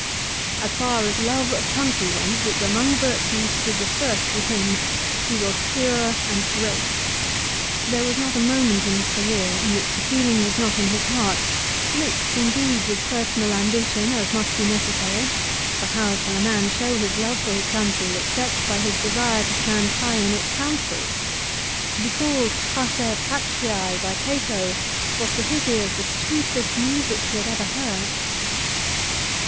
As far as love of country went, which among virtues stood the first with him, he was pure and great. There was not a moment in his career in which the feeling was not in his heart, mixed indeed with personal ambition as must be necessary, for how shall a man show his love for his country except by his desire to stand high in its counsels ? To be called " Pater Patriae " by Cato was to his ears the sweetest music he had ever heard.